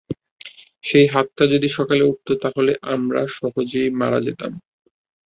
সেই হাতটা যদি সকালে উঠত, তাহলে আমরা সহজেই মারা যেতাম।